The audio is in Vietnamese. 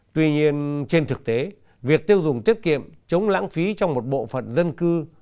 tuy nhiên trên thực tế việc tiêu dùng tiết kiệm chống lãng phí trong một bộ phận dân cư